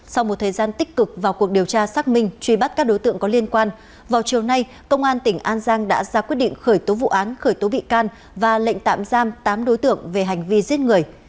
sau một thời gian tích cực vào cuộc điều tra xác minh truy bắt các đối tượng có liên quan vào chiều nay công an tỉnh an giang đã ra quyết định khởi tố vụ án khởi tố bị can và lệnh tạm giam tám đối tượng về hành vi giết người